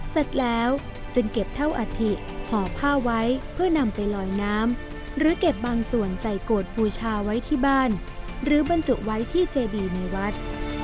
เสร็จแล้วจึงเก็บเท่าอัฐิห่อผ้าไว้เพื่อนำไปลอยน้ำหรือเก็บบางส่วนใส่โกรธบูชาไว้ที่บ้านหรือบรรจุไว้ที่เจดีในวัด